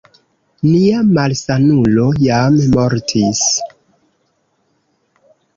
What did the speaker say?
Nia malsanulo jam mortis